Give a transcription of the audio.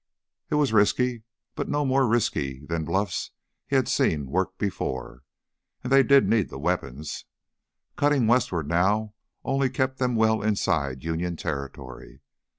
It was risky, but no more risky than bluffs he had seen work before. And they did need the weapons. Cutting westward now only kept them well inside Union territory.